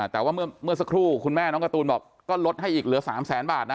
แต่ว่าเมื่อสักครู่คุณแม่น้องการ์ตูนบอกก็ลดให้อีกเหลือ๓แสนบาทนะ